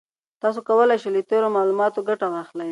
تاسي کولای شئ له تېرو معلوماتو ګټه واخلئ.